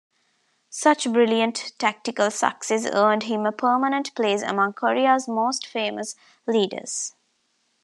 Such brilliant tactical success earned him a permanent place among Korea's most famous leaders.